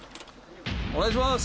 「お願いします！」